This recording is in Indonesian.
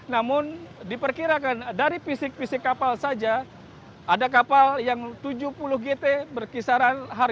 namun diperkirakan dari fisik fisik kapal saja ada kapal yang tujuh puluh gt harganya berkisaran dua tiga miliar